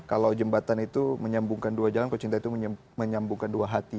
kalau jembatan itu menyambungkan dua jalan kok cinta itu menyambungkan dua hati